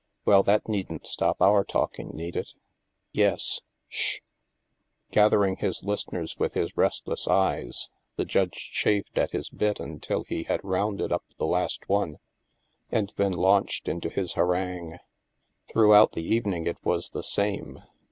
"Well, that needn't stop our talking, need it?" '^ Yes ... sh ...!" Gathering his listeners with his restless eyes, the Judge chafed at his bit until he had rounded up the last one, and then launched into his harangue. Throughout the evening it was the same.